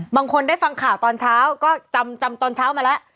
บางคนได้ฟังข่าวตอนเช้าก็จำตอนเช้ามาแล้ว